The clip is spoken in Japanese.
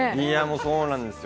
そうなんですよ。